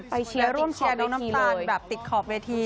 ร่วมเชียร์น้องน้ำตาลแบบติดขอบเวที